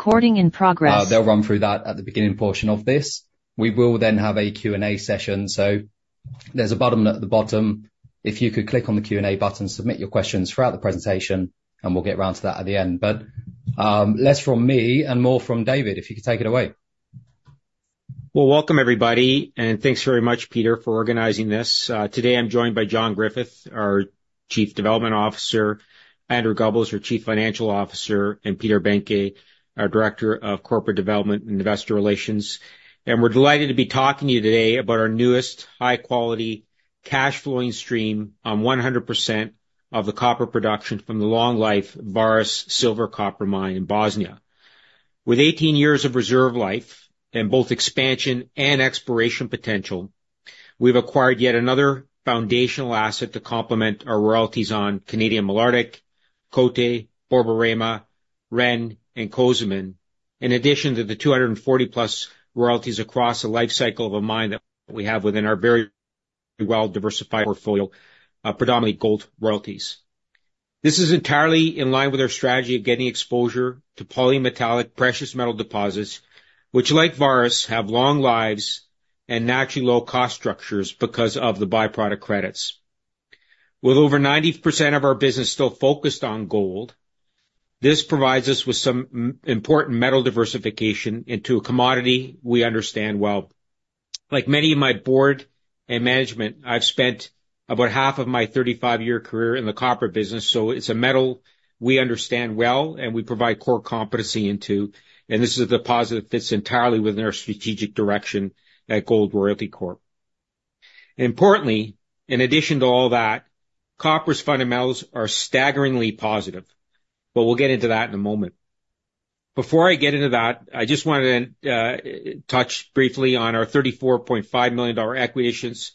Recording in progress. They'll run through that at the beginning portion of this. We will then have a Q&A session, so there's a button at the bottom. If you could click on the Q&A button, submit your questions throughout the presentation, and we'll get around to that at the end, but, less from me and more from David, if you could take it away. Well, welcome, everybody, and thanks very much, Peter, for organizing this. Today I'm joined by John Griffith, our Chief Development Officer, Andrew Gubbels, our Chief Financial Officer, and Peter Behncke, our Director of Corporate Development and Investor Relations. We're delighted to be talking to you today about our newest high-quality cash flowing stream on 100% of the copper production from the long life Vareš Silver-Copper Mine in Bosnia. With 18 years of reserve life and both expansion and exploration potential, we've acquired yet another foundational asset to complement our royalties on Canadian Malartic, Côté, Borborema, Ren, and Cozamin, in addition to the 240+ royalties across the life cycle of a mine that we have within our very well-diversified portfolio of predominantly gold royalties. This is entirely in line with our strategy of getting exposure to polymetallic precious metal deposits, which, like Vareš, have long lives and naturally low cost structures because of the byproduct credits. With over 90% of our business still focused on gold, this provides us with some important metal diversification into a commodity we understand well. Like many of my board and management, I've spent about half of my 35-year career in the copper business, so it's a metal we understand well and we provide core competency into, and this is a deposit that fits entirely within our strategic direction at Gold Royalty Corp. Importantly, in addition to all that, copper's fundamentals are staggeringly positive, but we'll get into that in a moment. Before I get into that, I just wanted to touch briefly on our $34.5 million equity issuance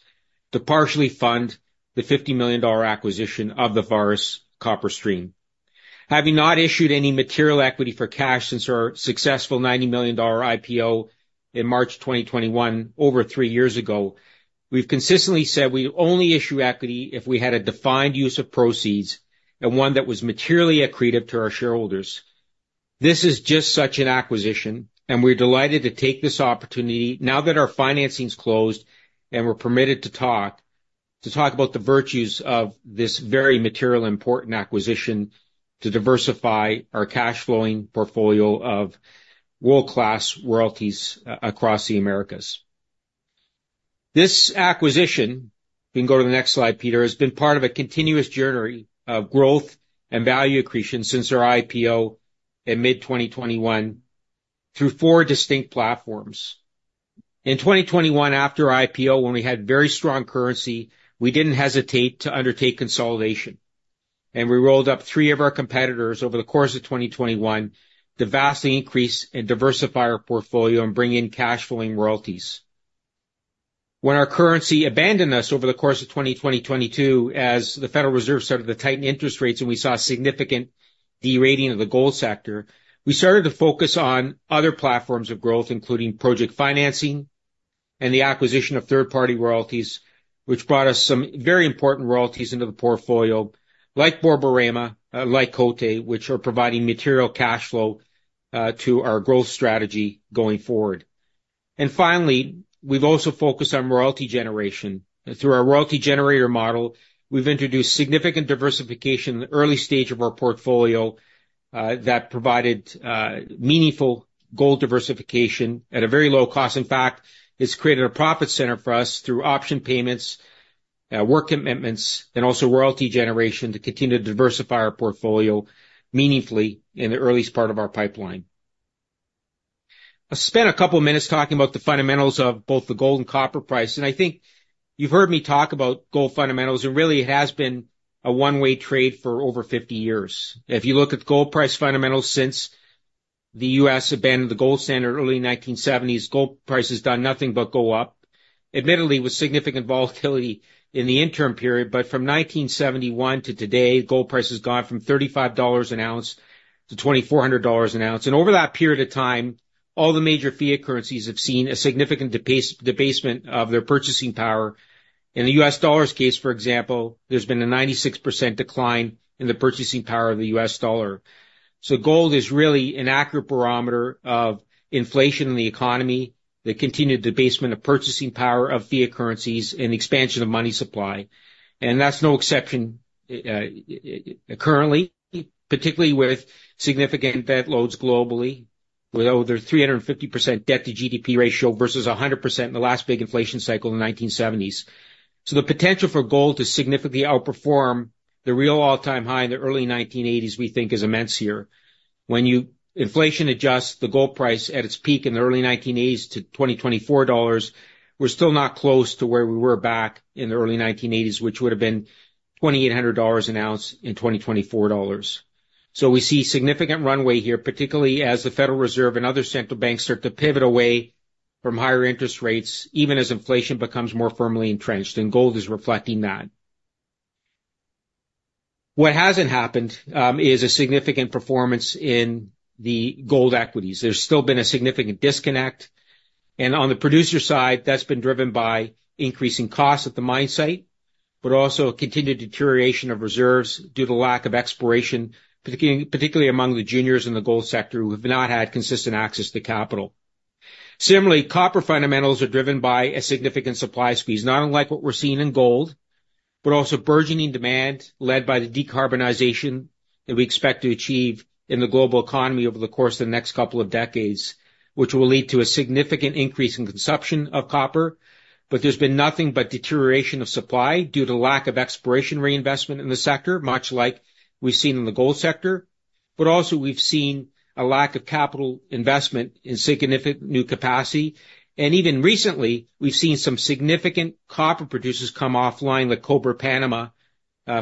to partially fund the $50 million acquisition of the Vareš copper stream. Having not issued any material equity for cash since our successful $90 million IPO in March 2021, over three years ago, we've consistently said we only issue equity if we had a defined use of proceeds and one that was materially accretive to our shareholders. This is just such an acquisition, and we're delighted to take this opportunity now that our financing's closed and we're permitted to talk about the virtues of this very material important acquisition to diversify our cash flowing portfolio of world-class royalties across the Americas. This acquisition, we can go to the next slide Peter, has been part of a continuous journey of growth and value accretion since our IPO in mid-2021 through four distinct platforms. In 2021, after IPO, when we had very strong currency, we didn't hesitate to undertake consolidation, and we rolled up three of our competitors over the course of 2021 to vastly increase and diversify our portfolio and bring in cash flowing royalties. When our currency abandoned us over the course of 2022, as the Federal Reserve started to tighten interest rates and we saw significant derating of the gold sector, we started to focus on other platforms of growth, including project financing and the acquisition of third-party royalties, which brought us some very important royalties into the portfolio, like Borborema, like Côté, which are providing material cash flow to our growth strategy going forward. And finally, we've also focused on royalty generation. Through our royalty generator model, we've introduced significant diversification in the early stage of our portfolio, that provided meaningful gold diversification at a very low cost. In fact, it's created a profit center for us through option payments, work commitments, and also royalty generation to continue to diversify our portfolio meaningfully in the earliest part of our pipeline. I'll spend a couple of minutes talking about the fundamentals of both the gold and copper price, and I think you've heard me talk about gold fundamentals. It really has been a one-way trade for over 50 years. If you look at gold price fundamentals since the U.S. abandoned the gold standard in early 1970s, gold price has done nothing but go up, admittedly with significant volatility in the interim period, but from 1971 to today, gold price has gone from $35 an ounce to $2,400 an ounce. Over that period of time, all the major fiat currencies have seen a significant debasement of their purchasing power. In the U.S. dollar's case, for example, there's been a 96% decline in the purchasing power of the U.S. dollar. So gold is really an accurate barometer of inflation in the economy, the continued debasement of purchasing power of fiat currencies and expansion of money supply. That's no exception, currently, particularly with significant debt loads globally, with over 350% debt to GDP ratio versus 100% in the last big inflation cycle in the 1970s. The potential for gold to significantly outperform the real all-time high in the early 1980s, we think is immense here. When you inflation adjusts the gold price at its peak in the early 1980s to 2024 dollars, we're still not close to where we were back in the early 1980s, which would have been $2,800 an ounce in 2024 dollars. We see significant runway here, particularly as the Federal Reserve and other central banks start to pivot away from higher interest rates, even as inflation becomes more firmly entrenched, and gold is reflecting that. What hasn't happened is a significant performance in the gold equities. There's still been a significant disconnect, and on the producer side, that's been driven by increasing costs at the mine site, but also continued deterioration of reserves due to lack of exploration, particularly among the juniors in the gold sector, who have not had consistent access to capital. Similarly, copper fundamentals are driven by a significant supply squeeze, not unlike what we're seeing in gold, but also burgeoning demand, led by the decarbonization that we expect to achieve in the global economy over the course of the next couple of decades, which will lead to a significant increase in consumption of copper. But there's been nothing but deterioration of supply due to lack of exploration reinvestment in the sector, much like we've seen in the gold sector. But also, we've seen a lack of capital investment in significant new capacity. Even recently, we've seen some significant copper producers come offline, like Cobre Panamá,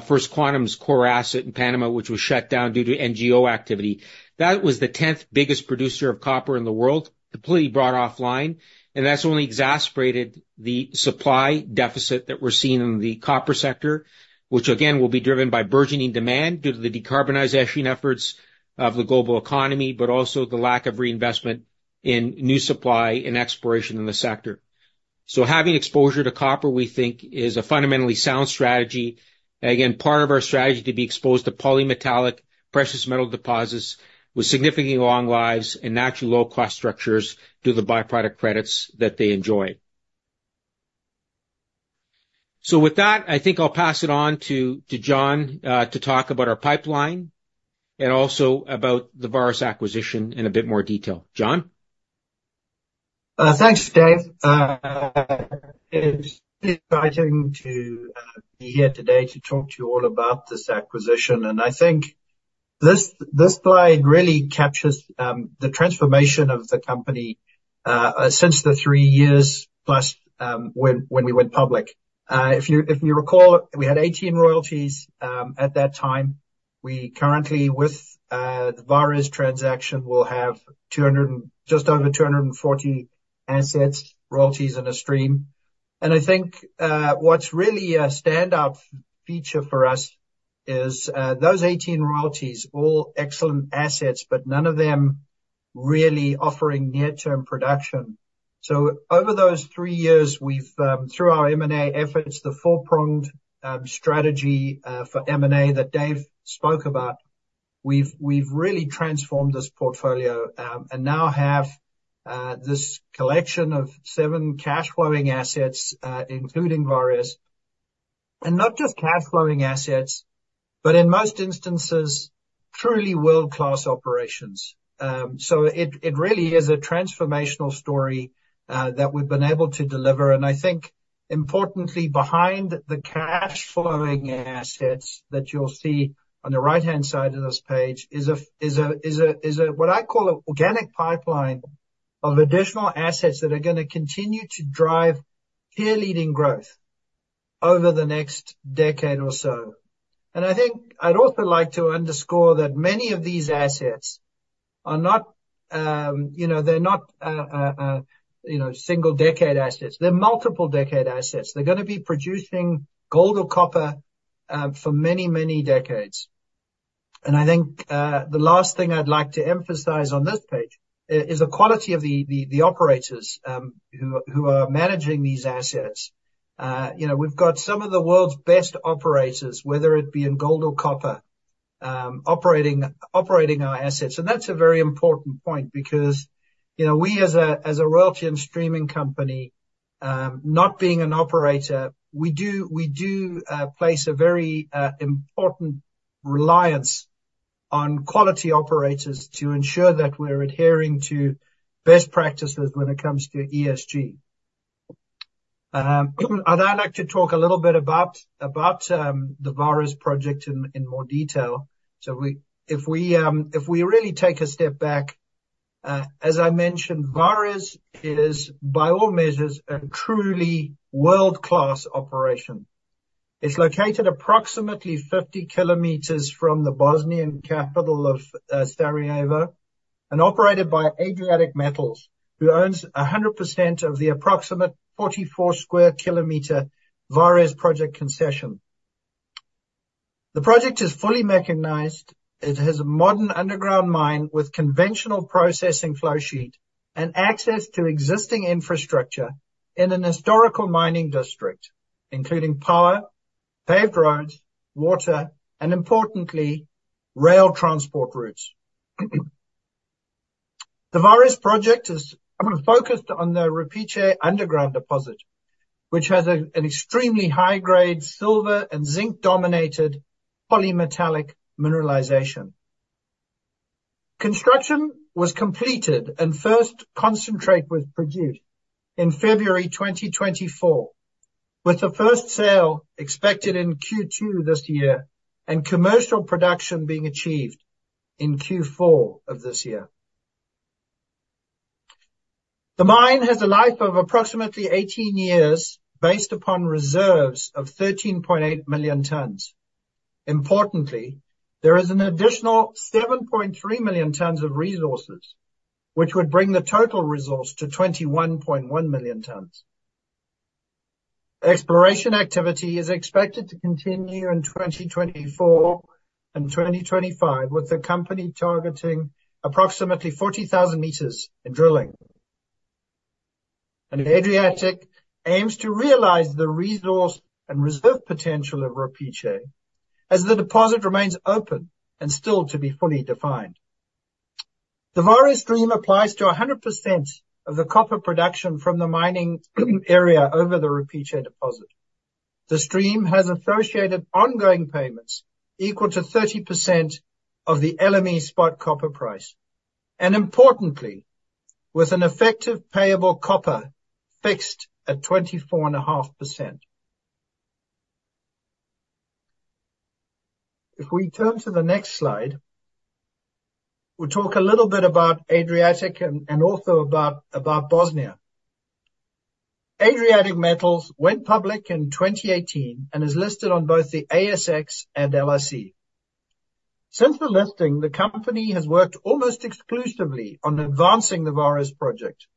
First Quantum's core asset in Panama, which was shut down due to NGO activity. That was the 10th biggest producer of copper in the world, completely brought offline, and that's only exacerbated the supply deficit that we're seeing in the copper sector, which again, will be driven by burgeoning demand due to the decarbonization efforts of the global economy, but also the lack of reinvestment in new supply and exploration in the sector. So having exposure to copper, we think, is a fundamentally sound strategy. Again, part of our strategy to be exposed to polymetallic precious metal deposits with significantly long lives and naturally low cost structures due to the byproduct credits that they enjoy. With that, I think I'll pass it on to John to talk about our pipeline and also about the Vareš acquisition in a bit more detail. John? Thanks, Dave. It's exciting to be here today to talk to you all about this acquisition, and I think this slide really captures the transformation of the company since the three years plus when we went public. If you recall, we had 18 royalties at that time. We currently, with the Vareš transaction, will have just over 240 assets, royalties and a stream. I think what's really a standout feature for us is those 18 royalties, all excellent assets, but none of them really offering near-term production. So over those three years, we've through our M&A efforts, the four-pronged strategy for M&A that Dave spoke about, we've really transformed this portfolio, and now have this collection of seven cash-flowing assets, including Vareš. And not just cash-flowing assets, but in most instances, truly world-class operations. So it really is a transformational story that we've been able to deliver. And I think importantly, behind the cash-flowing assets that you'll see on the right-hand side of this page, is what I call an organic pipeline of additional assets that are gonna continue to drive peer-leading growth over the next decade or so. And I think I'd also like to underscore that many of these assets are not, you know, they're not you know, single-decade assets, they're multiple-decade assets. They're gonna be producing gold or copper for many, many decades. And I think the last thing I'd like to emphasize on this page is the quality of the operators who are managing these assets. You know, we've got some of the world's best operators, whether it be in gold or copper, operating our assets. And that's a very important point because, you know, we as a royalty and streaming company, not being an operator, we place a very important reliance on quality operators to ensure that we're adhering to best practices when it comes to ESG. I'd like to talk a little bit about the Vareš project in more detail. So if we really take a step back, as I mentioned, Vareš is, by all measures, a truly world-class operation. It's located approximately 50 kilometers from the Bosnian capital of Sarajevo, and operated by Adriatic Metals, who owns 100% of the approximate 44 sq km Vareš project concession. The project is fully mechanized. It has a modern underground mine with conventional processing flow sheet and access to existing infrastructure in an historical mining district, including power, paved roads, water, and importantly, rail transport routes. The Vareš project is focused on the Rupice underground deposit, which has an extremely high-grade silver and zinc-dominated polymetallic mineralization. Construction was completed, and first concentrate was produced in February 2024, with the first sale expected in Q2 this year, and commercial production being achieved in Q4 of this year. The mine has a life of approximately 18 years, based upon reserves of 13.8 million tons. Importantly, there is an additional 7.3 million tons of resources, which would bring the total resource to 21.1 million tons. Exploration activity is expected to continue in 2024 and 2025, with the company targeting approximately 40,000 meters in drilling.... Adriatic aims to realize the resource and reserve potential of Rupice, as the deposit remains open and still to be fully defined. The Vareš stream applies to 100% of the copper production from the mining area over the Rupice deposit. The stream has associated ongoing payments equal to 30% of the LME spot copper price, and importantly, with an effective payable copper fixed at 24.5%. If we turn to the next slide, we'll talk a little bit about Adriatic and also about Bosnia. Adriatic Metals went public in 2018, and is listed on both the ASX and LSE. Since the listing, the company has worked almost exclusively on advancing the Vareš project.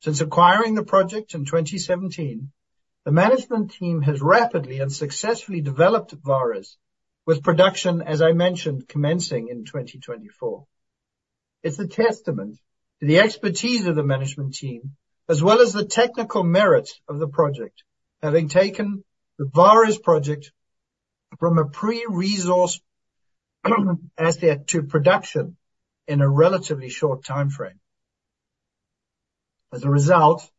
Since acquiring the project in 2017, the management team has rapidly and successfully developed Vareš, with production, as I mentioned, commencing in 2024. It's a testament to the expertise of the management team, as well as the technical merits of the project, having taken the Vareš project from a pre-resource asset to production in a relatively short timeframe. As a result,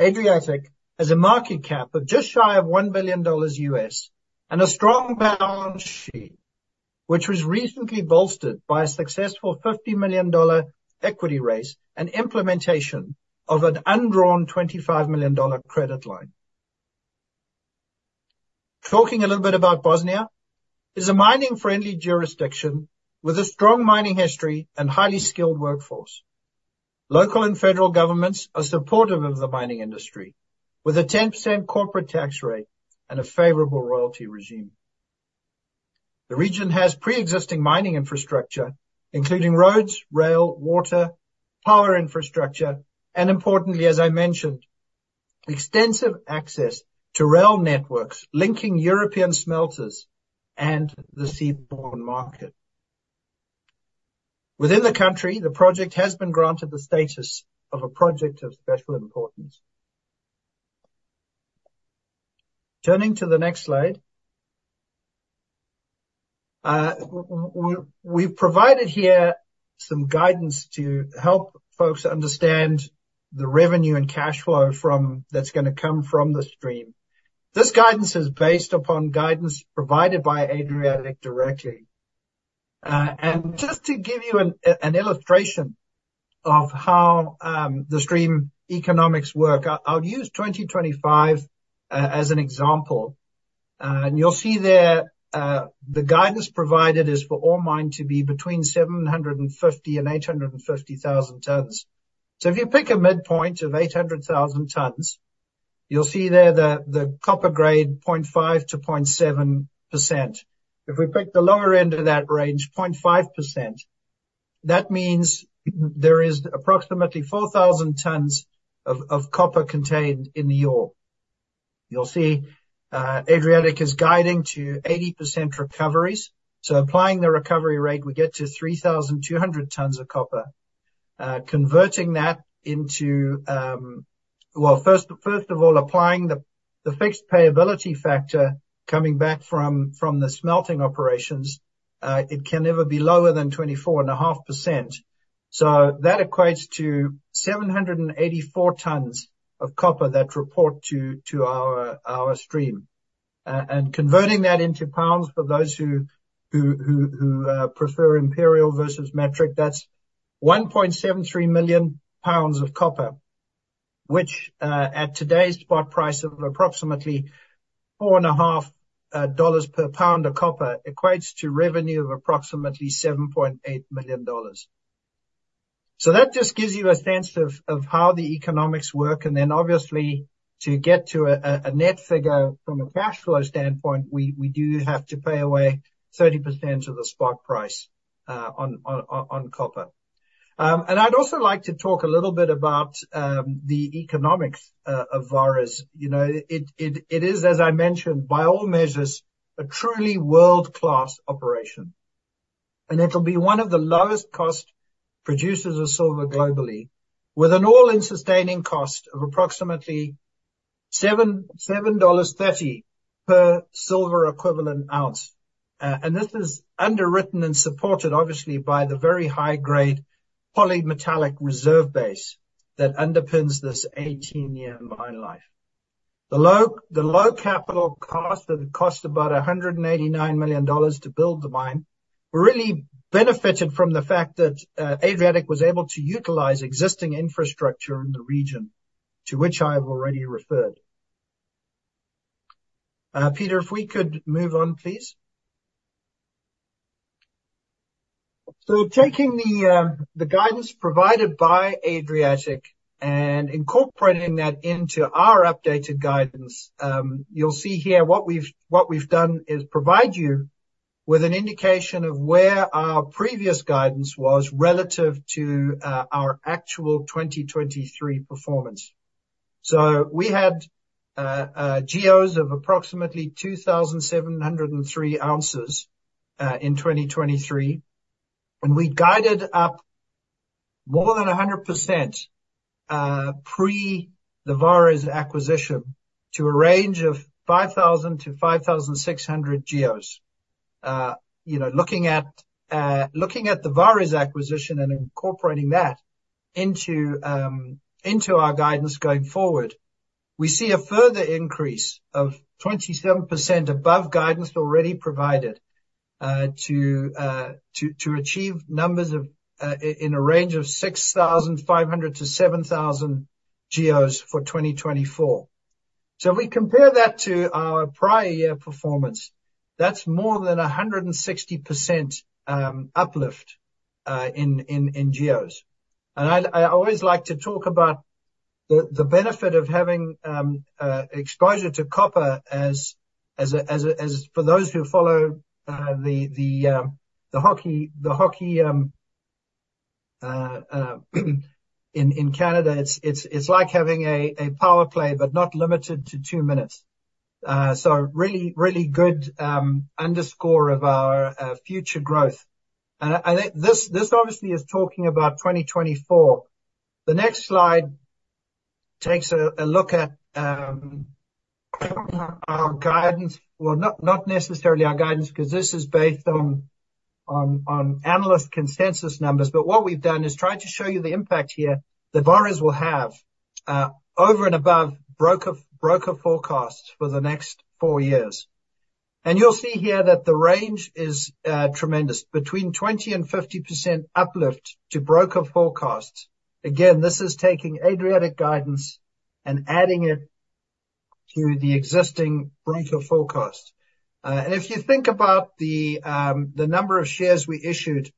Adriatic has a market cap of just shy of $1 billion, and a strong balance sheet, which was recently bolstered by a successful $50 million equity raise and implementation of an undrawn $25 million credit line. Talking a little bit about Bosnia, it's a mining-friendly jurisdiction with a strong mining history and highly skilled workforce. Local and federal governments are supportive of the mining industry, with a 10% corporate tax rate and a favorable royalty regime. The region has pre-existing mining infrastructure, including roads, rail, water, power infrastructure, and importantly, as I mentioned, extensive access to rail networks linking European smelters and the seaborne market. Within the country, the project has been granted the status of a project of special importance. Turning to the next slide, we've provided here some guidance to help folks understand the revenue and cash flow from—that's gonna come from the stream. This guidance is based upon guidance provided by Adriatic directly. And just to give you an illustration of how the stream economics work, I'll use 2025 as an example. And you'll see there, the guidance provided is for all mine to be between 750,000 and 850,000 tons. So if you pick a midpoint of 800,000 tons, you'll see there the copper grade, 0.5%-0.7%. If we pick the lower end of that range, 0.5%, that means there is approximately 4,000 tons of copper contained in the ore. You'll see, Adriatic is guiding to 80% recoveries, so applying the recovery rate, we get to 3,200 tons of copper. Converting that into... Well, first, first of all, applying the fixed payability factor coming back from the smelting operations, it can never be lower than 24.5%, so that equates to 784 tons of copper that report to our stream. And converting that into pounds for those who prefer imperial versus metric, that's 1.73 million pounds of copper, which at today's spot price of approximately $4.5 per pound of copper, equates to revenue of approximately $7.8 million. So that just gives you a sense of how the economics work, and then obviously, to get to a net figure from a cash flow standpoint, we do have to pay away 30% of the spot price on copper. And I'd also like to talk a little bit about the economics of Vareš. You know, it is, as I mentioned, by all measures, a truly world-class operation. And it'll be one of the lowest cost producers of silver globally, with an all-in sustaining cost of approximately $7.30 per silver equivalent ounce. And this is underwritten and supported, obviously, by the very high grade polymetallic reserve base that underpins this 18-year mine life. The low capital cost, it cost about $189 million to build the mine, really benefited from the fact that, Adriatic was able to utilize existing infrastructure in the region, to which I have already referred. Peter, if we could move on, please. So taking the guidance provided by Adriatic and incorporating that into our updated guidance, you'll see here what we've done is provide you with an indication of where our previous guidance was relative to our actual 2023 performance. So we had GEOs of approximately 2,703 ounces in 2023, and we guided up more than 100%, pre the Vareš acquisition to a range of 5,000-5,600 GEOs. You know, looking at the Vareš acquisition and incorporating that into our guidance going forward, we see a further increase of 27% above guidance already provided to achieve numbers in a range of 6,500-7,000 GEOs for 2024. So if we compare that to our prior year performance, that's more than 160% uplift in GEOs. And I always like to talk about the benefit of having exposure to copper as—for those who follow the hockey in Canada, it's like having a power play, but not limited to 2 minutes. So really, really good underscoring of our future growth. And I think this obviously is talking about 2024. The next slide takes a look at our guidance. Well, not necessarily our guidance, because this is based on analyst consensus numbers. But what we've done is tried to show you the impact here, that Vareš will have over and above broker forecasts for the next four years. And you'll see here that the range is tremendous, between 20%-50% uplift to broker forecasts. Again, this is taking Adriatic guidance and adding it to the existing broker forecast. And if you think about the number of shares we issued,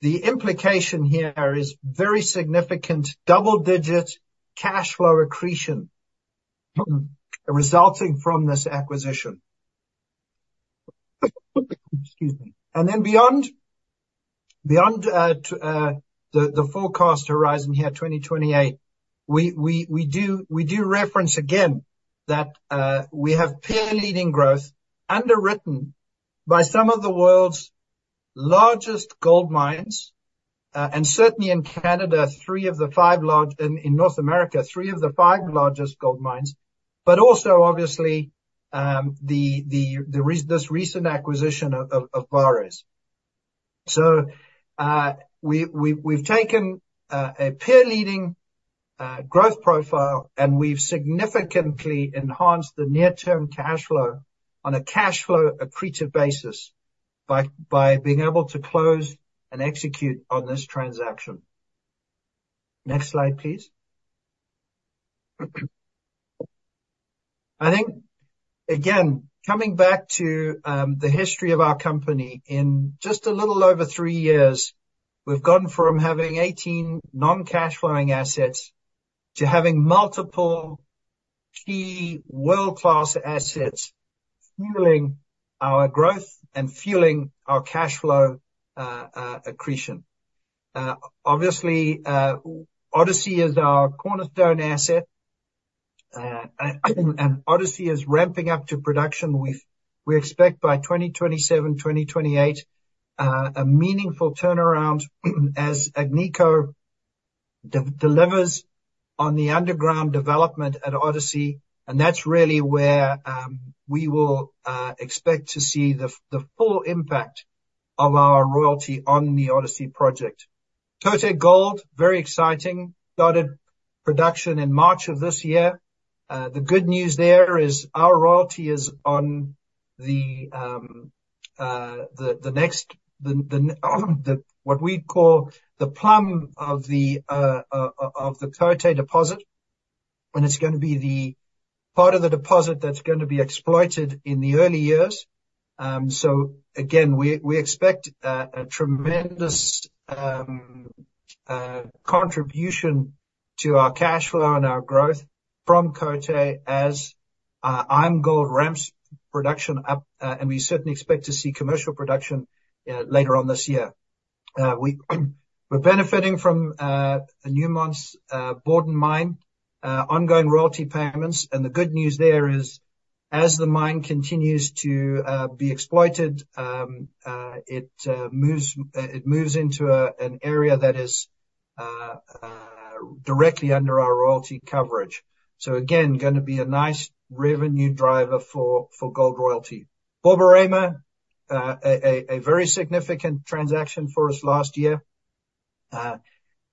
the implication here is very significant double-digit cash flow accretion, resulting from this acquisition. Excuse me. And then beyond to the forecast horizon here, 2028, we do reference again that we have peer-leading growth, underwritten by some of the world's largest gold mines, and certainly in Canada, three of the five largest gold mines in North America. But also, obviously, this recent acquisition of Vareš. So, we’ve taken a peer-leading growth profile, and we’ve significantly enhanced the near-term cash flow on a cash flow accretive basis, by being able to close and execute on this transaction. Next slide, please. I think, again, coming back to the history of our company, in just a little over three years, we've gone from having 18 non-cash flowing assets, to having multiple key world-class assets, fueling our growth and fueling our cash flow, accretion. Obviously, Odyssey is our cornerstone asset. Odyssey is ramping up to production. We expect by 2027, 2028, a meaningful turnaround, as Agnico delivers on the underground development at Odyssey, and that's really where we will expect to see the full impact of our royalty on the Odyssey project. Côté Gold, very exciting, started production in March of this year. The good news there is our royalty is on the... What we call the plum of the Côté deposit, and it's gonna be the part of the deposit that's gonna be exploited in the early years. So again, we expect a tremendous contribution to our cash flow and our growth from Côté, as IAMGOLD ramps production up, and we certainly expect to see commercial production later on this year. We're benefiting from Newmont's Borden Mine ongoing royalty payments. And the good news there is, as the mine continues to be exploited, it moves into an area that is directly under our royalty coverage. So again, gonna be a nice revenue driver for Gold Royalty. Borborema, a very significant transaction for us last year. It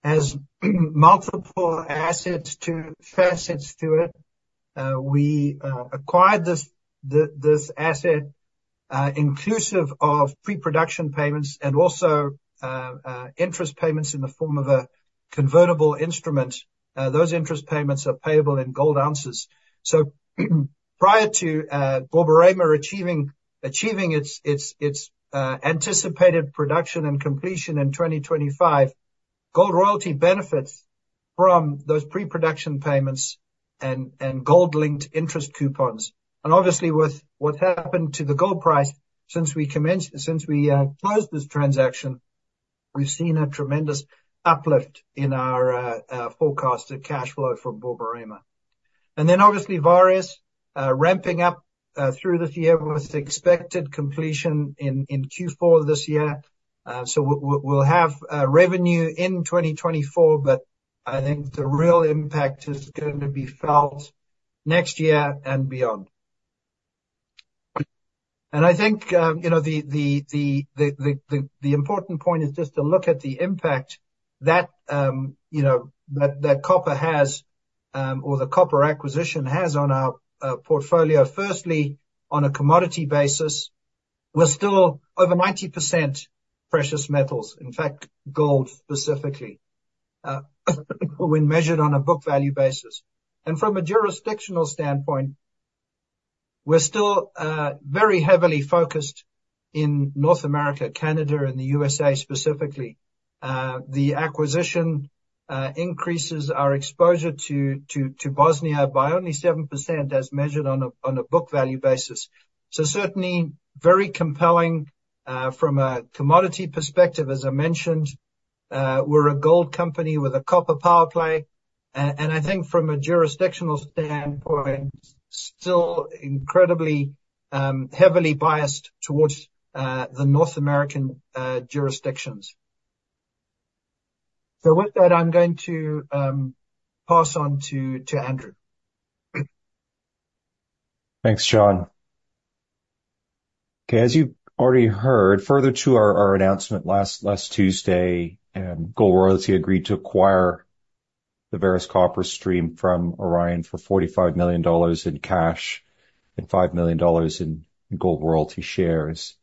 has multiple facets to it. We acquired this asset inclusive of pre-production payments, and also interest payments in the form of a convertible instrument. Those interest payments are payable in gold ounces. So prior to Borborema achieving its anticipated production and completion in 2025, Gold Royalty benefits from those pre-production payments and gold-linked interest coupons. And obviously with what happened to the gold price since we closed this transaction, we've seen a tremendous uplift in our forecasted cash flow from Borborema. And then, obviously, ramping up through the year with expected completion in Q4 this year. So we will have revenue in 2024, but I think the real impact is going to be felt next year and beyond. And I think, you know, the important point is just to look at the impact that, you know, that copper has, or the copper acquisition has on our portfolio. Firstly, on a commodity basis, we're still over 90% precious metals, in fact, gold specifically, when measured on a book value basis. And from a jurisdictional standpoint, we're still very heavily focused in North America, Canada, and the USA, specifically. The acquisition increases our exposure to Bosnia by only 7%, as measured on a book value basis. So certainly, very compelling from a commodity perspective. As I mentioned, we're a gold company with a copper power play. And I think from a jurisdictional standpoint, still incredibly heavily biased towards the North American jurisdictions. With that, I'm going to pass on to Andrew. Thanks, John. Okay, as you've already heard, further to our announcement last Tuesday, Gold Royalty agreed to acquire the Vareš Copper stream from Orion for $45 million in cash and $5 million in Gold Royalty shares.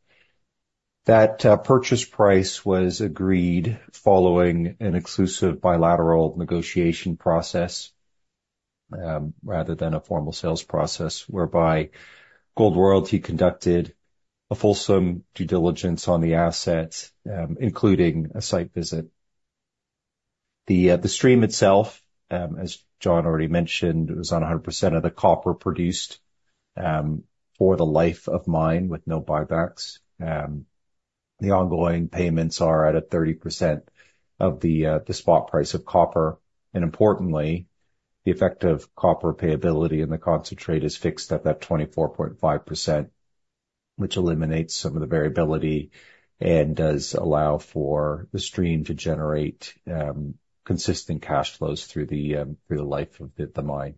That purchase price was agreed following an exclusive bilateral negotiation process, rather than a formal sales process, whereby Gold Royalty conducted a fulsome due diligence on the assets, including a site visit. The stream itself, as John already mentioned, was on 100% of the copper produced, for the life of mine, with no buybacks. The ongoing payments are at 30% of the spot price of copper. And importantly, the effect of copper payability in the concentrate is fixed at that 24.5%, which eliminates some of the variability, and does allow for the stream to generate consistent cash flows through the life of the mine.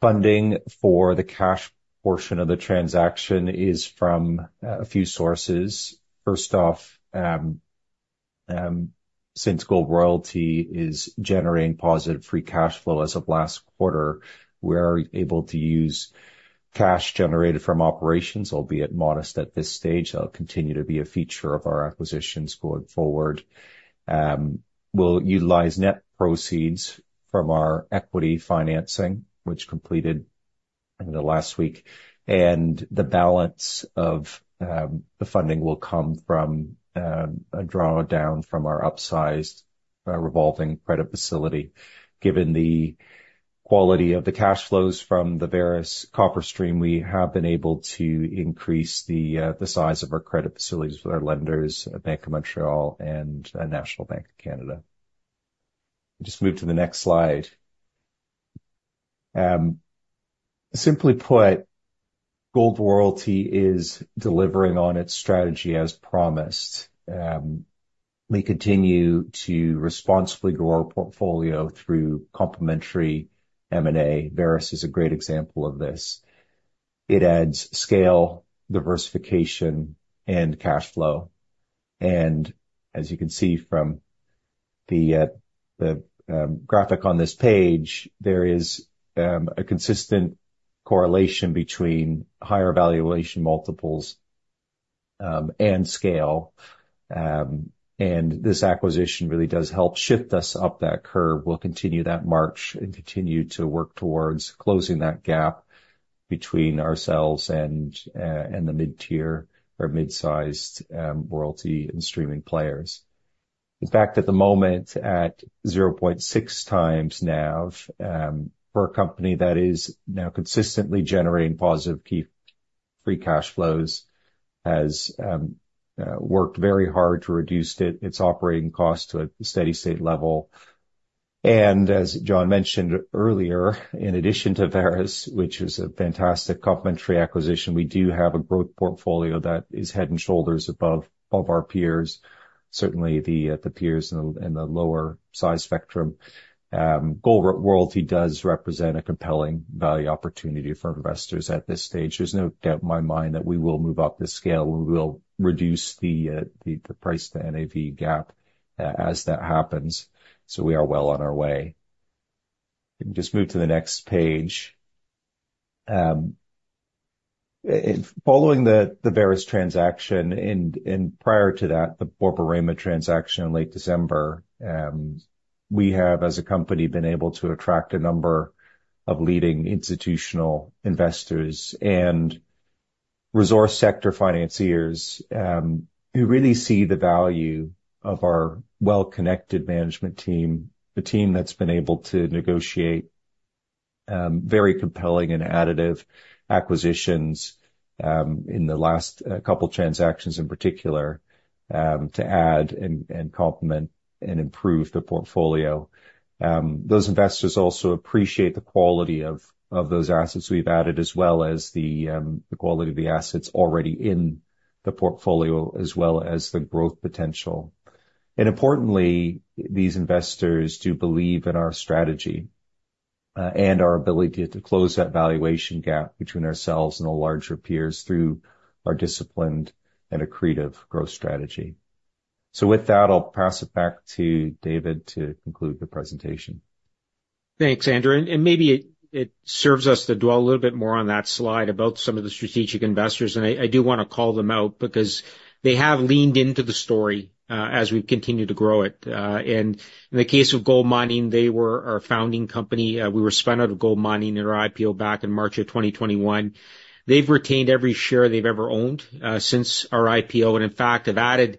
Funding for the cash portion of the transaction is from a few sources. First off, since Gold Royalty is generating positive free cash flow as of last quarter, we are able to use cash generated from operations, albeit modest at this stage. They'll continue to be a feature of our acquisitions going forward. We'll utilize net proceeds from our equity financing, which completed in the last week, and the balance of the funding will come from a drawdown from our upsized revolving credit facility. Given the quality of the cash flows from the Vareš Copper stream, we have been able to increase the size of our credit facilities with our lenders at Bank of Montreal and National Bank of Canada. Just move to the next slide. Simply put, Gold Royalty is delivering on its strategy as promised. We continue to responsibly grow our portfolio through complementary M&A. Vareš is a great example of this. It adds scale, diversification, and cash flow. And as you can see from the graphic on this page, there is a consistent correlation between higher valuation multiples and scale. And this acquisition really does help shift us up that curve. We'll continue that march and continue to work towards closing that gap between ourselves and the mid-tier or mid-sized royalty and streaming players. In fact, at the moment, at 0.6x NAV, for a company that is now consistently generating positive key free cash flows, has worked very hard to reduce its operating costs to a steady state level. And as John mentioned earlier, in addition to Vareš, which is a fantastic complementary acquisition, we do have a growth portfolio that is head and shoulders above our peers, certainly the peers in the lower size spectrum. Gold Royalty does represent a compelling value opportunity for investors at this stage. There's no doubt in my mind that we will move up the scale, and we will reduce the price to NAV gap as that happens, so we are well on our way. You can just move to the next page. Following the Vareš transaction, and prior to that, the Borborema transaction in late December, we have, as a company, been able to attract a number of leading institutional investors and resource sector financiers, who really see the value of our well-connected management team, the team that's been able to negotiate very compelling and additive acquisitions, in the last couple transactions, in particular, to add and complement and improve the portfolio. Those investors also appreciate the quality of those assets we've added, as well as the quality of the assets already in the portfolio, as well as the growth potential. Importantly, these investors do believe in our strategy, and our ability to close that valuation gap between ourselves and the larger peers through our disciplined and accretive growth strategy. With that, I'll pass it back to David to conclude the presentation. Thanks, Andrew. And maybe it serves us to dwell a little bit more on that slide about some of the strategic investors. And I do wanna call them out because they have leaned into the story as we've continued to grow it. And in the case of GoldMining, they were our founding company. We were spun out of GoldMining in our IPO back in March 2021. They've retained every share they've ever owned since our IPO, and in fact, have added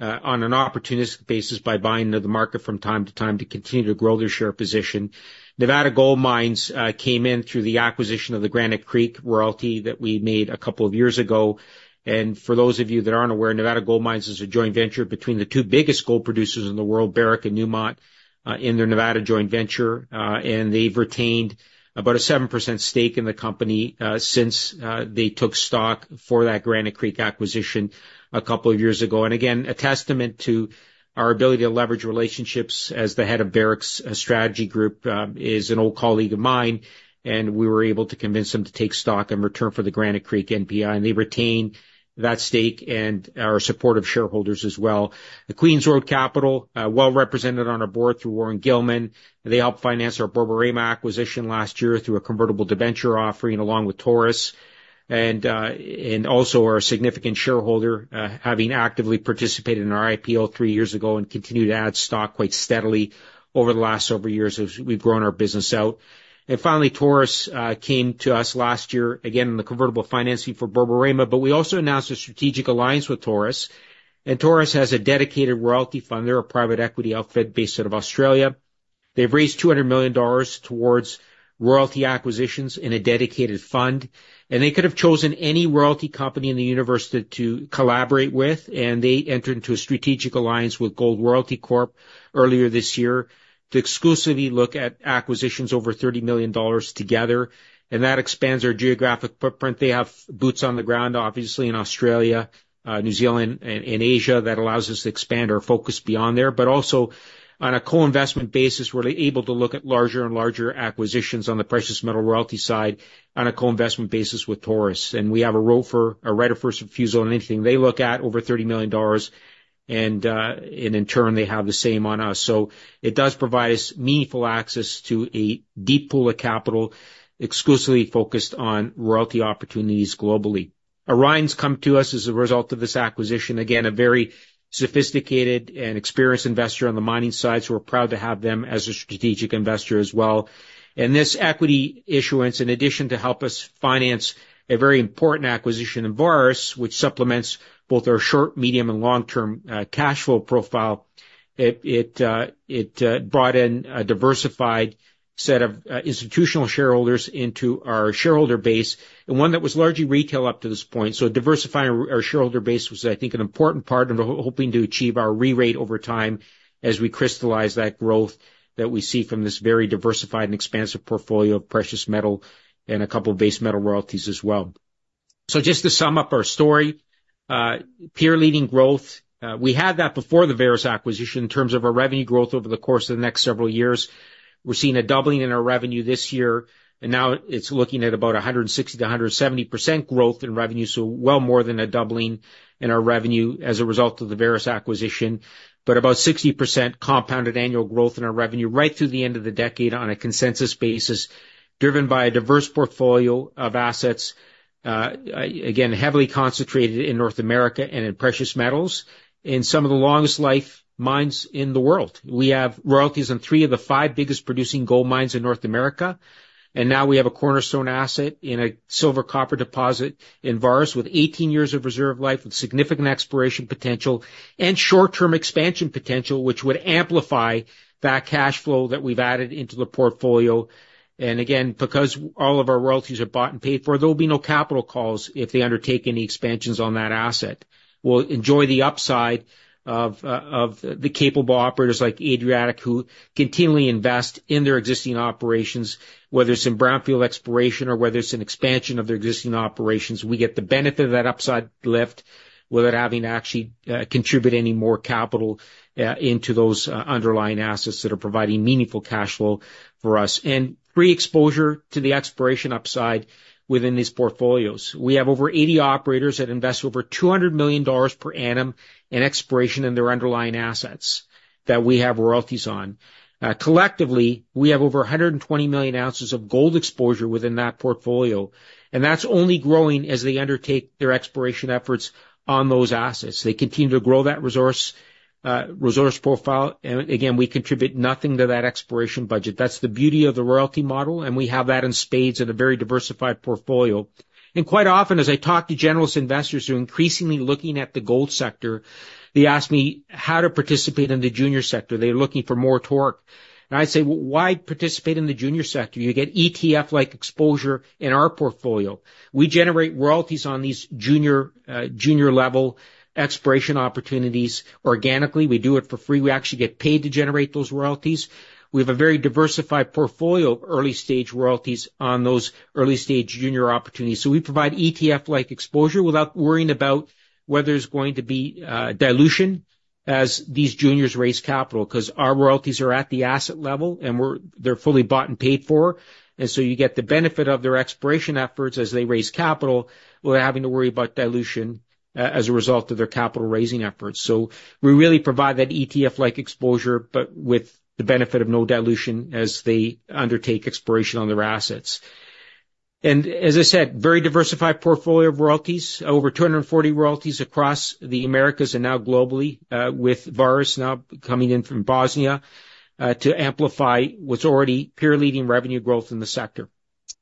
on an opportunistic basis by buying the market from time to time to continue to grow their share position. Nevada Gold Mines came in through the acquisition of the Granite Creek royalty that we made a couple of years ago. For those of you that aren't aware, Nevada Gold Mines is a joint venture between the two biggest gold producers in the world, Barrick and Newmont, in their Nevada joint venture. They've retained about a 7% stake in the company since they took stock for that Granite Creek acquisition a couple of years ago. And again, a testament to our ability to leverage relationships as the head of Barrick's Strategy Group is an old colleague of mine, and we were able to convince them to take stock in return for the Granite Creek NPI. And they retained that stake and are supportive shareholders as well. The Queen's Road Capital, well represented on our board through Warren Gilman. They helped finance our Borborema acquisition last year through a convertible debenture offering, along with Taurus, and also are a significant shareholder, having actively participated in our IPO three years ago, and continued to add stock quite steadily over the last several years as we've grown our business out. Finally, Taurus came to us last year, again, in the convertible financing for Borborema, but we also announced a strategic alliance with Taurus. Taurus has a dedicated royalty fund. They're a private equity outfit based out of Australia. They've raised $200 million towards royalty acquisitions in a dedicated fund, and they could have chosen any royalty company in the universe to collaborate with, and they entered into a strategic alliance with Gold Royalty Corp. Earlier this year to exclusively look at acquisitions over $30 million together, and that expands our geographic footprint. They have boots on the ground, obviously, in Australia, New Zealand, and Asia. That allows us to expand our focus beyond there, but also on a co-investment basis, we're able to look at larger and larger acquisitions on the precious metal royalty side on a co-investment basis with Taurus. And we have a right of first refusal on anything they look at over $30 million, and in turn, they have the same on us. So it does provide us meaningful access to a deep pool of capital, exclusively focused on royalty opportunities globally. Orion's come to us as a result of this acquisition, again, a very sophisticated and experienced investor on the mining side, so we're proud to have them as a strategic investor as well. This equity issuance, in addition to help us finance a very important acquisition in Vareš, which supplements both our short, medium, and long-term cash flow profile, brought in a diversified set of institutional shareholders into our shareholder base, and one that was largely retail up to this point. So diversifying our shareholder base was, I think, an important part of hoping to achieve our rerate over time as we crystallize that growth that we see from this very diversified and expansive portfolio of precious metal and a couple of base metal royalties as well. So just to sum up our story, peer-leading growth, we had that before the Vareš acquisition in terms of our revenue growth over the course of the next several years. We're seeing a doubling in our revenue this year, and now it's looking at about 160%-170% growth in revenue, so well more than a doubling in our revenue as a result of the Vareš acquisition. But about 60% compounded annual growth in our revenue right through the end of the decade on a consensus basis, driven by a diverse portfolio of assets, again, heavily concentrated in North America and in precious metals, in some of the longest life mines in the world. We have royalties on three of the five biggest producing gold mines in North America, and now we have a cornerstone asset in a silver copper deposit in Vareš, with 18 years of reserve life and significant exploration potential and short-term expansion potential, which would amplify that cash flow that we've added into the portfolio. And again, because all of our royalties are bought and paid for, there will be no capital calls if they undertake any expansions on that asset. We'll enjoy the upside of the capable operators like Adriatic, who continually invest in their existing operations, whether it's in brownfield exploration or whether it's in expansion of their existing operations. We get the benefit of that upside lift without having to actually contribute any more capital into those underlying assets that are providing meaningful cash flow for us, and free exposure to the exploration upside within these portfolios. We have over 80 operators that invest over $200 million per annum in exploration in their underlying assets that we have royalties on. Collectively, we have over 120 million ounces of gold exposure within that portfolio, and that's only growing as they undertake their exploration efforts on those assets. They continue to grow that resource... resource profile, and again, we contribute nothing to that exploration budget. That's the beauty of the royalty model, and we have that in spades in a very diversified portfolio. Quite often, as I talk to generalist investors who are increasingly looking at the gold sector, they ask me how to participate in the junior sector. They're looking for more torque. And I say, "Well, why participate in the junior sector? You get ETF-like exposure in our portfolio." We generate royalties on these junior, junior level exploration opportunities organically. We do it for free. We actually get paid to generate those royalties. We have a very diversified portfolio of early-stage royalties on those early-stage junior opportunities. So we provide ETF-like exposure without worrying about whether there's going to be, dilution, as these juniors raise capital, 'cause our royalties are at the asset level, and they're fully bought and paid for. So you get the benefit of their exploration efforts as they raise capital, without having to worry about dilution, as a result of their capital raising efforts. So we really provide that ETF-like exposure, but with the benefit of no dilution as they undertake exploration on their assets. And as I said, very diversified portfolio of royalties, over 240 royalties across the Americas and now globally, with Vareš now coming in from Bosnia, to amplify what's already peer-leading revenue growth in the sector.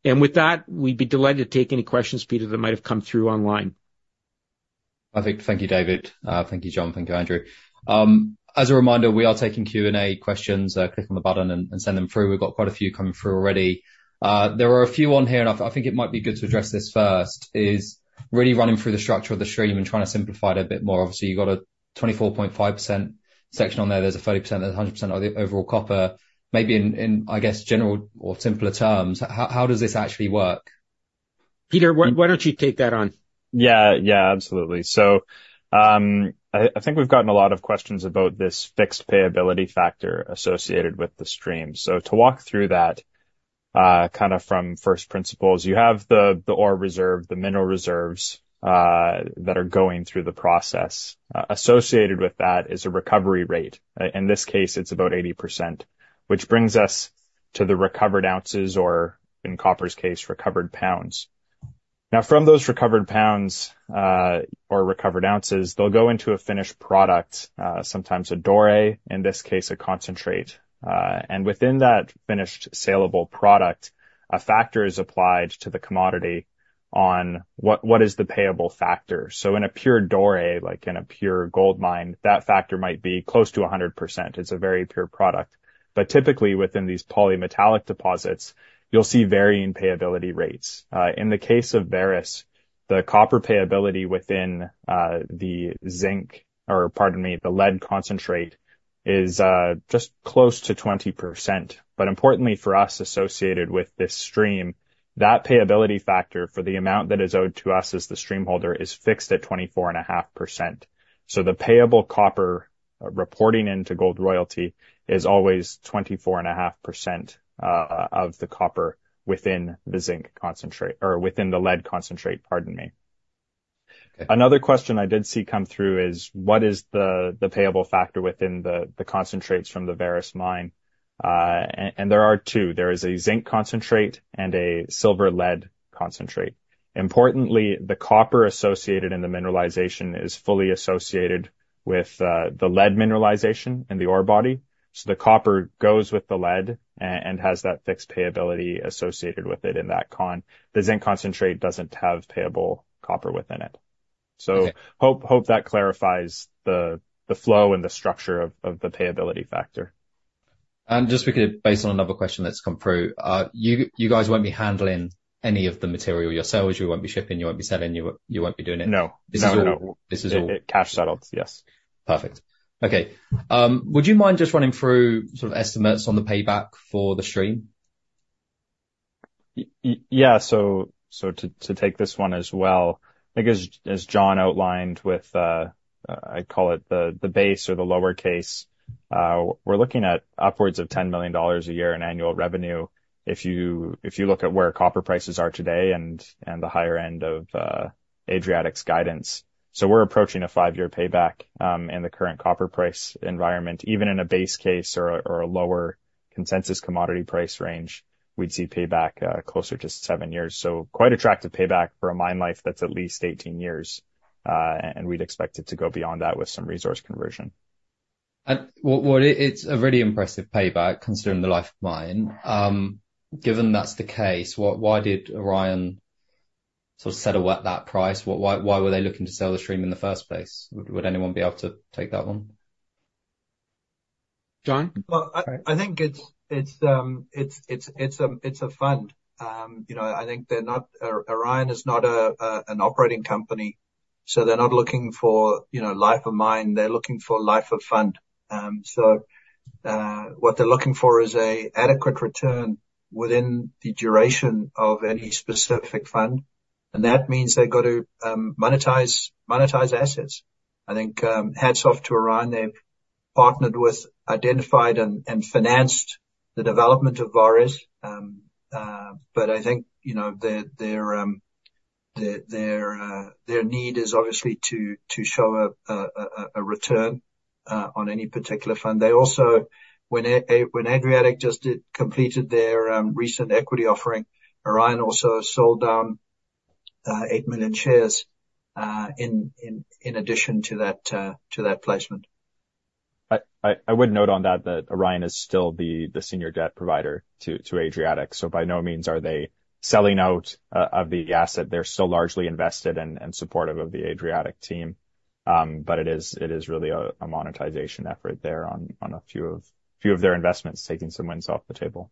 And with that, we'd be delighted to take any questions, Peter, that might have come through online. Perfect. Thank you, David. Thank you, John. Thank you, Andrew. As a reminder, we are taking Q&A questions. Click on the button and send them through. We've got quite a few coming through already. There are a few on here, and I think it might be good to address this first, is really running through the structure of the stream and trying to simplify it a bit more. Obviously, you've got a 24.5% section on there. There's a 30%, there's a 100% of the overall copper. Maybe in, I guess, general or simpler terms, how does this actually work? Peter, why, why don't you take that on? Yeah, yeah, absolutely. So, I think we've gotten a lot of questions about this fixed payability factor associated with the stream. So to walk through that, kind of from first principles, you have the ore reserve, the mineral reserves that are going through the process. Associated with that is a recovery rate. In this case, it's about 80%, which brings us to the recovered ounces, or in copper's case, recovered pounds. Now, from those recovered pounds or recovered ounces, they'll go into a finished product, sometimes a doré, in this case, a concentrate. And within that finished salable product, a factor is applied to the commodity on what is the payable factor? So in a pure doré, like in a pure gold mine, that factor might be close to 100%. It's a very pure product. But typically, within these polymetallic deposits, you'll see varying payability rates. In the case of Vareš, the copper payability within the zinc, or pardon me, the lead concentrate is just close to 20%. But importantly for us, associated with this stream, that payability factor for the amount that is owed to us as the stream holder, is fixed at 24.5%. So the payable copper reporting into gold royalty is always 24.5% of the copper within the zinc concentrate, or within the lead concentrate, pardon me. Okay. Another question I did see come through is: What is the, the payability factor within the, the concentrates from the Vareš mine? And there are two. There is a zinc concentrate and a silver-lead concentrate. Importantly, the copper associated in the mineralization is fully associated with the lead mineralization in the ore body, so the copper goes with the lead and has that fixed payability associated with it in that con. The zinc concentrate doesn't have payable copper within it. So hope that clarifies the flow and the structure of the payability factor. Just because, based on another question that's come through, you guys won't be handling any of the material yourselves, you won't be shipping, you won't be selling, you won't be doing it? No. No, no. This is all. It's cash settled, yes. Perfect. Okay, would you mind just running through sort of estimates on the payback for the stream? Yeah, so to take this one as well, I think as John outlined with, I call it the base or the lower case, we're looking at upwards of $10 million a year in annual revenue if you look at where copper prices are today, and the higher end of Adriatic's guidance. So we're approaching a five-year payback in the current copper price environment. Even in a base case or a lower consensus commodity price range, we'd see payback closer to 7 years. So quite attractive payback for a mine life that's at least 18 years, and we'd expect it to go beyond that with some resource conversion. Well, it's a really impressive payback considering the life of mine. Given that's the case, why, why, why did Orion sort of settle at that price? Why, why, why were they looking to sell the stream in the first place? Would anyone be able to take that one? John? Well, I think it's a fund. You know, I think they're not... Orion is not an operating company, so they're not looking for, you know, life of mine, they're looking for life of fund. So, what they're looking for is an adequate return within the duration of any specific fund, and that means they've got to monetize assets. I think, hats off to Orion. They've partnered with, identified, and financed the development of Vareš. But I think, you know, their need is obviously to show a return on any particular fund. They also, when Adriatic just completed their recent equity offering, Orion also sold down-8 million shares in addition to that placement. I would note on that, that Orion is still the senior debt provider to Adriatic. So by no means are they selling out of the asset. They're still largely invested and supportive of the Adriatic team. But it is really a monetization effort there on a few of their investments, taking some wins off the table.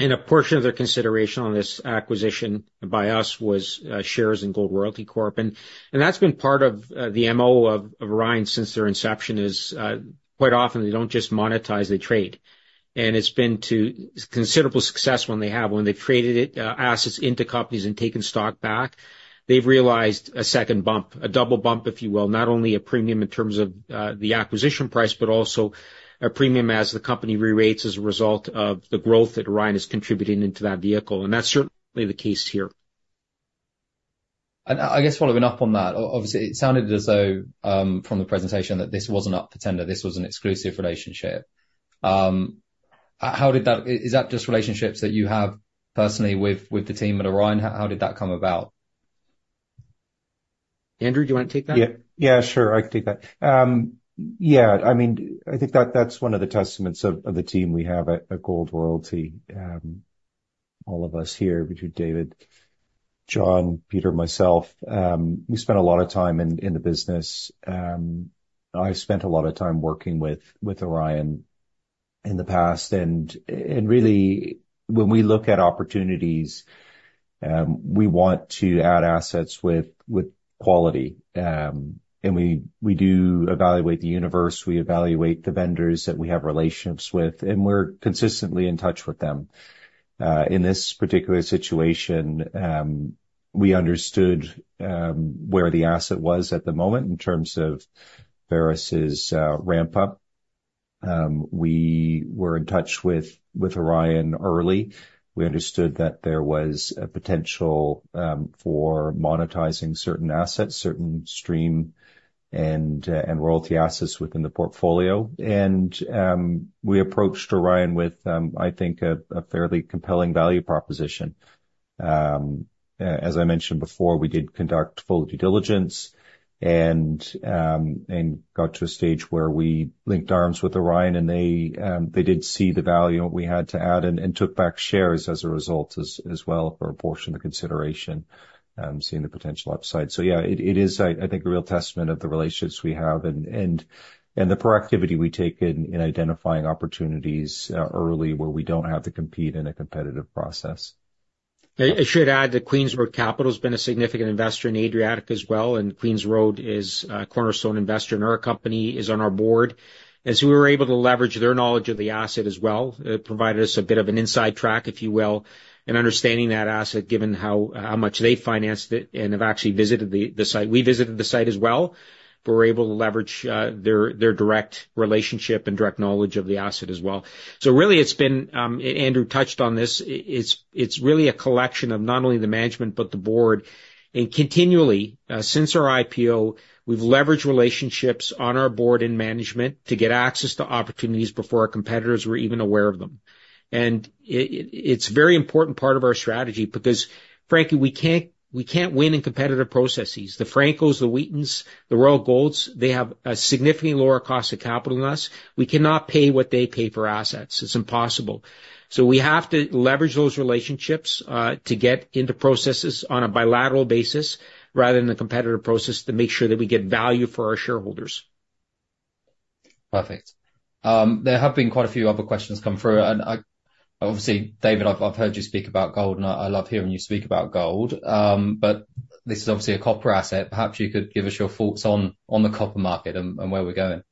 A portion of their consideration on this acquisition by us was shares in Gold Royalty Corp. And that's been part of the MO of Orion since their inception: quite often they don't just monetize, they trade. And it's been to considerable success when they have. When they've traded it, assets into companies and taken stock back, they've realized a second bump, a double bump, if you will. Not only a premium in terms of the acquisition price, but also a premium as the company re-rates as a result of the growth that Orion is contributing into that vehicle, and that's certainly the case here. And I guess following up on that, obviously, it sounded as though from the presentation that this wasn't up for tender, this was an exclusive relationship. How did that... is that just relationships that you have personally with the team at Orion? How did that come about? Andrew, do you wanna take that? Yeah. Yeah, sure, I can take that. Yeah, I mean, I think that, that's one of the testaments of, of the team we have at, at Gold Royalty. All of us here, between David, John, Peter, myself, we spent a lot of time in, in the business. I spent a lot of time working with, with Orion in the past, and, and really, when we look at opportunities, we want to add assets with, with quality. And we, we do evaluate the universe, we evaluate the vendors that we have relationships with, and we're consistently in touch with them. In this particular situation, we understood, where the asset was at the moment in terms of Vareš's ramp up. We were in touch with, with Orion early. We understood that there was a potential for monetizing certain assets, certain stream and royalty assets within the portfolio. We approached Orion with, I think, a fairly compelling value proposition. As I mentioned before, we did conduct full due diligence and got to a stage where we linked arms with Orion, and they did see the value we had to add and took back shares as a result as well, or a portion of the consideration, seeing the potential upside. So yeah, it is, I think, a real testament of the relationships we have and the proactivity we take in identifying opportunities early, where we don't have to compete in a competitive process. I should add that Queen's Road Capital's been a significant investor in Adriatic Metals as well, and Queen's Road is a cornerstone investor in our company, is on our board. And so we were able to leverage their knowledge of the asset as well. It provided us a bit of an inside track, if you will, in understanding that asset, given how much they financed it and have actually visited the site. We visited the site as well, but were able to leverage their direct relationship and direct knowledge of the asset as well. So really, it's been, Andrew touched on this. It's really a collection of not only the management but the board, and continually, since our IPO, we've leveraged relationships on our board and management to get access to opportunities before our competitors were even aware of them. It's a very important part of our strategy because frankly, we can't, we can't win in competitive processes. The Francos, the Wheatons, the Royal Golds, they have a significantly lower cost of capital than us. We cannot pay what they pay for assets. It's impossible. So we have to leverage those relationships to get into processes on a bilateral basis, rather than the competitive process, to make sure that we get value for our shareholders. Perfect. There have been quite a few other questions come through, and obviously, David, I've heard you speak about gold, and I love hearing you speak about gold. But this is obviously a copper asset. Perhaps you could give us your thoughts on the copper market and where we're going.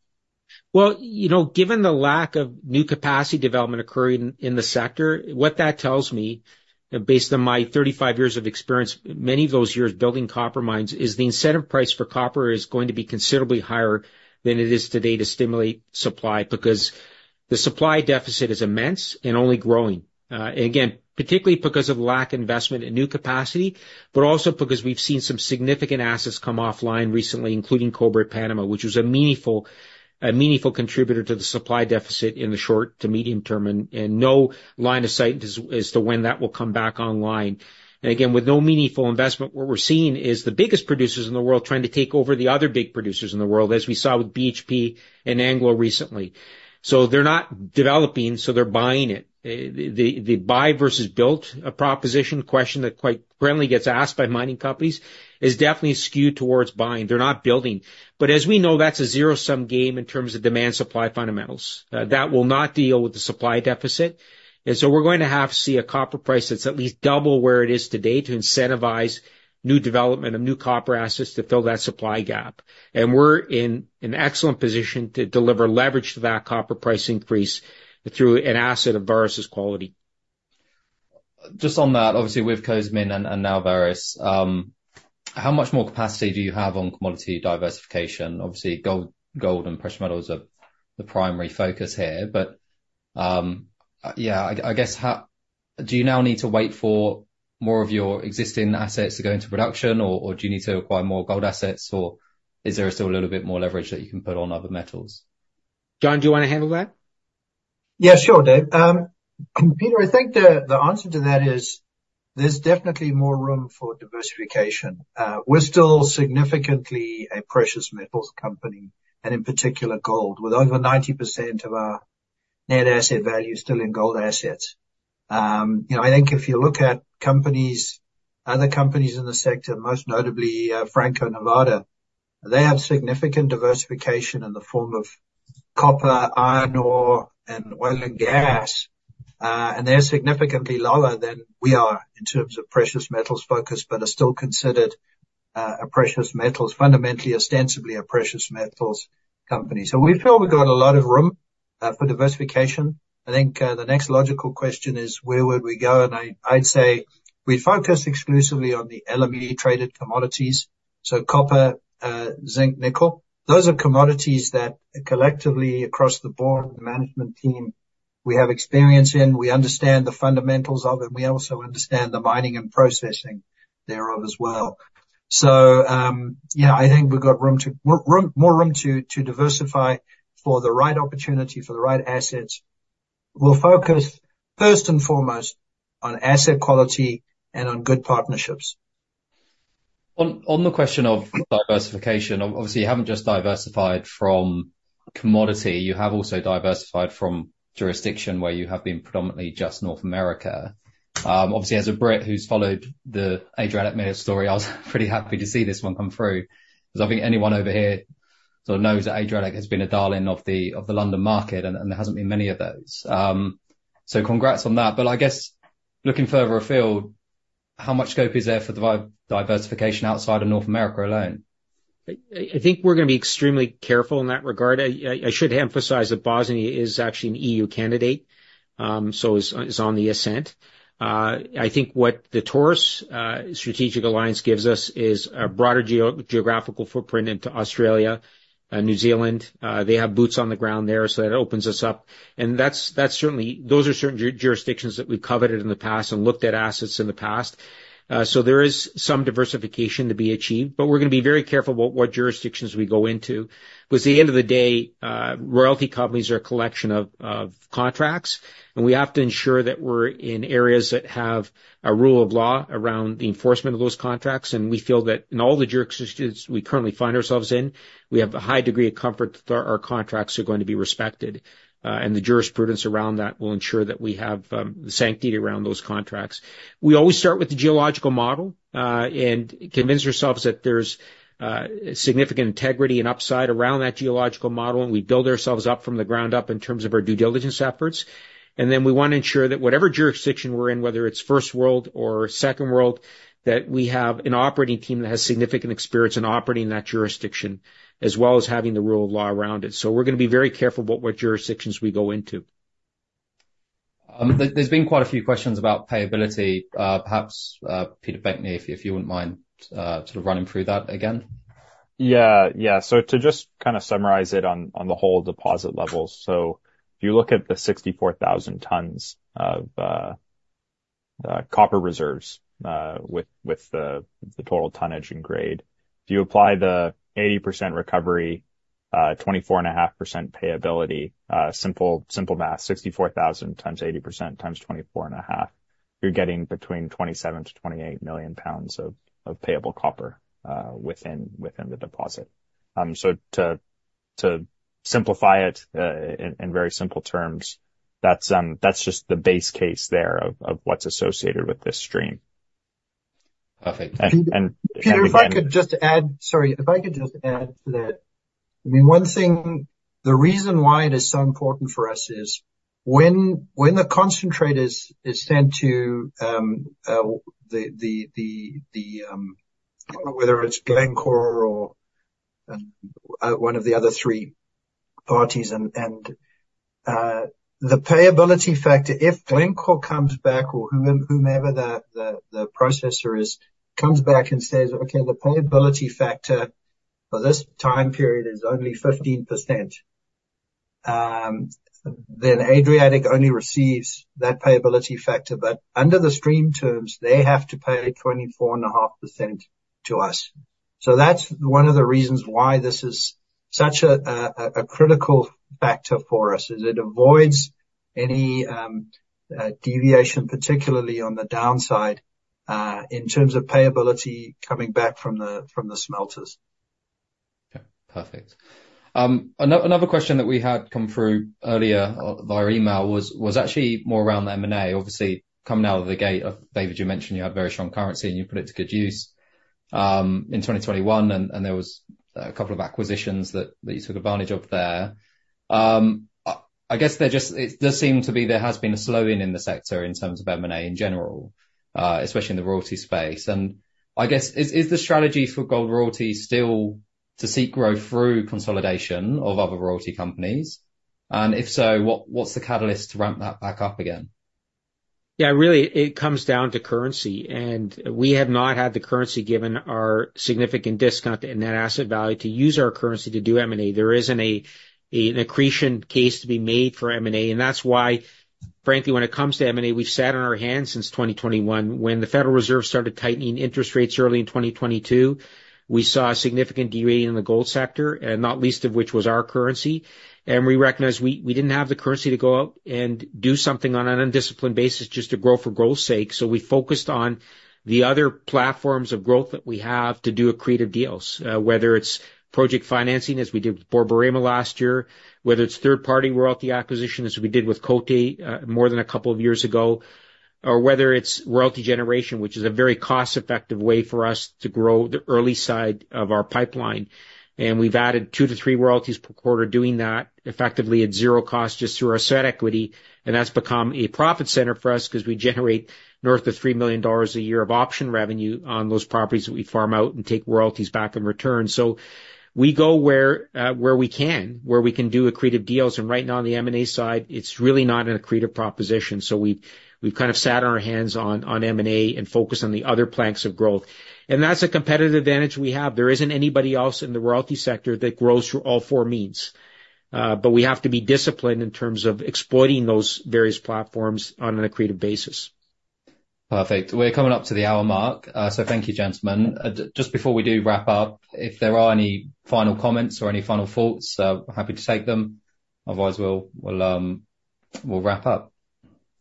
Well, you know, given the lack of new capacity development occurring in the sector, what that tells me, and based on my 35 years of experience, many of those years building copper mines, is the incentive price for copper is going to be considerably higher than it is today to stimulate supply, because the supply deficit is immense and only growing. And again, particularly because of lack of investment in new capacity, but also because we've seen some significant assets come offline recently, including Cobre Panamá, which was a meaningful contributor to the supply deficit in the short to medium term, and no line of sight as to when that will come back online. And again, with no meaningful investment, what we're seeing is the biggest producers in the world trying to take over the other big producers in the world, as we saw with BHP and Anglo recently. So they're not developing, so they're buying it. The buy versus build proposition question that quite frequently gets asked by mining companies is definitely skewed towards buying. They're not building. But as we know, that's a zero-sum game in terms of demand/supply fundamentals. That will not deal with the supply deficit, and so we're going to have to see a copper price that's at least double where it is today to incentivize new development of new copper assets to fill that supply gap. And we're in an excellent position to deliver leverage to that copper price increase through an asset of Vareš's quality. Just on that, obviously with Cozamin and now Vareš, how much more capacity do you have on commodity diversification? Obviously, gold, gold and precious metals are the primary focus here, but, yeah, I guess how... Do you now need to wait for more of your existing assets to go into production, or do you need to acquire more gold assets, or is there still a little bit more leverage that you can put on other metals? John, do you want to handle that? Yeah, sure, Dave. Peter, I think the answer to that is there's definitely more room for diversification. We're still significantly a precious metals company, and in particular, gold, with over 90% of our net asset value still in gold assets. You know, I think if you look at companies, other companies in the sector, most notably, Franco-Nevada, they have significant diversification in the form of copper, iron ore, and oil and gas. And they're significantly lower than we are in terms of precious metals focus, but are still considered, a precious metals, fundamentally, ostensibly, a precious metals company. So we feel we've got a lot of room for diversification. I think the next logical question is, where would we go? And I'd say we'd focus exclusively on the LME-traded commodities, so copper, zinc, nickel. Those are commodities that collectively, across the board, the management team, we have experience in. We understand the fundamentals of them, we also understand the mining and processing thereof as well. So, yeah, I think we've got room to more room to diversify for the right opportunity, for the right assets. We'll focus first and foremost on asset quality and on good partnerships. On the question of diversification, obviously, you haven't just diversified from commodity, you have also diversified from jurisdiction, where you have been predominantly just North America. Obviously, as a Brit who's followed the Adriatic story, I was pretty happy to see this one come through. 'Cause I think anyone over here sort of knows that Adriatic has been a darling of the London market, and there hasn't been many of those. So congrats on that. But I guess, looking further afield, how much scope is there for diversification outside of North America alone? I think we're gonna be extremely careful in that regard. I should emphasize that Bosnia is actually an EU candidate, so is on the ascent. I think what the Taurus strategic alliance gives us is a broader geographical footprint into Australia and New Zealand. They have boots on the ground there, so that opens us up. And that's certainly those are certain jurisdictions that we've covered in the past and looked at assets in the past. So there is some diversification to be achieved, but we're gonna be very careful about what jurisdictions we go into. Because at the end of the day, royalty companies are a collection of contracts, and we have to ensure that we're in areas that have a rule of law around the enforcement of those contracts. And we feel that in all the jurisdictions we currently find ourselves in, we have a high degree of comfort that our contracts are going to be respected, and the jurisprudence around that will ensure that we have the sanctity around those contracts. We always start with the geological model, and convince ourselves that there's significant integrity and upside around that geological model, and we build ourselves up from the ground up in terms of our due diligence efforts. And then we wanna ensure that whatever jurisdiction we're in, whether it's first world or second world, that we have an operating team that has significant experience in operating in that jurisdiction, as well as having the rule of law around it. So we're gonna be very careful about what jurisdictions we go into. There's been quite a few questions about payability. Perhaps, Peter Behncke, if you wouldn't mind, sort of running through that again. Yeah. Yeah. So to just kind of summarize it on the whole deposit levels. So if you look at the 64,000 tons of copper reserves with the total tonnage and grade. If you apply the 80% recovery, 24.5% payability, simple math, 64,000 times 80% times 24.5, you're getting between 27-28 million lbs of payable copper within the deposit. So to simplify it, in very simple terms, that's just the base case there of what's associated with this stream. Perfect. Peter, if I could just add... Sorry, if I could just add to that. I mean, one thing, the reason why it is so important for us is, when the concentrate is sent to, whether it's Glencore or one of the other three parties, and the payability factor, if Glencore comes back, or whomever the processor is, comes back and says, "Okay, the payability factor for this time period is only 15%," then Adriatic only receives that payability factor. But under the stream terms, they have to pay 24.5% to us. So that's one of the reasons why this is such a critical factor for us, is it avoids any deviation, particularly on the downside, in terms of payability coming back from the smelters. Okay, perfect. Another question that we had come through earlier via email was actually more around the M&A. Obviously, coming out of the gate, David, you mentioned you had very strong currency and you put it to good use in 2021, and there was a couple of acquisitions that you took advantage of there. I guess it does seem to be there has been a slowing in the sector in terms of M&A in general, especially in the royalty space. And I guess, is the strategy for Gold Royalty still to seek growth through consolidation of other royalty companies? And if so, what's the catalyst to ramp that back up again? Yeah, really, it comes down to currency, and we have not had the currency, given our significant discount in net asset value, to use our currency to do M&A. There isn't an accretion case to be made for M&A, and that's why frankly, when it comes to M&A, we've sat on our hands since 2021. When the Federal Reserve started tightening interest rates early in 2022, we saw a significant deviation in the gold sector, and not least of which was our currency. And we recognized we didn't have the currency to go out and do something on an undisciplined basis just to grow for growth's sake. So we focused on the other platforms of growth that we have to do accretive deals, whether it's project financing, as we did with Borborema last year, whether it's third-party royalty acquisition, as we did with Côté more than a couple of years ago, or whether it's royalty generation, which is a very cost-effective way for us to grow the early side of our pipeline. We've added two to three royalties per quarter, doing that effectively at zero cost, just through our set equity, and that's become a profit center for us 'cause we generate north of $3 million a year of option revenue on those properties that we farm out and take royalties back in return. So we go where we can do accretive deals. Right now on the M&A side, it's really not an accretive proposition, so we've kind of sat on our hands on M&A and focused on the other planks of growth. That's a competitive advantage we have. There isn't anybody else in the royalty sector that grows through all four means. But we have to be disciplined in terms of exploiting those various platforms on an accretive basis. Perfect. We're coming up to the hour mark, so thank you, gentlemen. Just before we do wrap up, if there are any final comments or any final thoughts, happy to take them. Otherwise, we'll wrap up.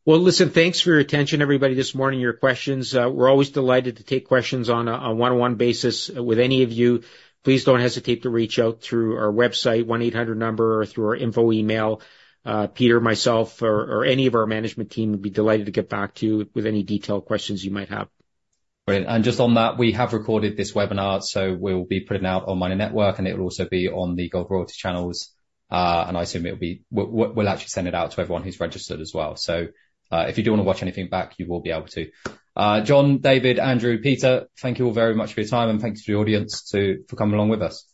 Well, listen, thanks for your attention, everybody, this morning, your questions. We're always delighted to take questions on one-on-one basis with any of you. Please don't hesitate to reach out through our website, 1-800 number, or through our info email. Peter, myself, or any of our management team would be delighted to get back to you with any detailed questions you might have. Great. And just on that, we have recorded this webinar, so we'll be putting it out on miner network, and it'll also be on the Gold Royalty channels. And I assume it'll be. We'll actually send it out to everyone who's registered as well. So, if you do wanna watch anything back, you will be able to. John, David, Andrew, Peter, thank you all very much for your time, and thanks to the audience too, for coming along with us.